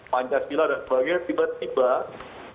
pancasila dan sebagainya tiba tiba